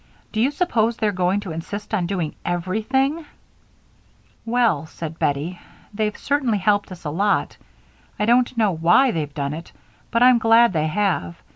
Do you s'pose they're going to insist on doing everything?" "Well," said Bettie, "they've certainly helped us a lot. I don't know why they've done it, but I'm glad they have.